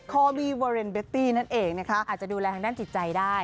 คอบีเวอเรนเบตตี้นั่นเองนะคะอาจจะดูแลทางด้านจิตใจได้